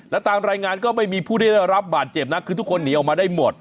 และตามรายงานก็ไม่มีผู้ได้รับบาดเจ็บนะคือทุกคนหนีออกมาได้หมด